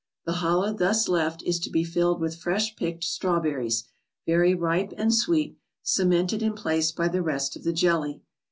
The hollow thus left is to be filled with fresh picked strawberries, very ripe and sweet, ce¬ mented in place by the rest of the jelly.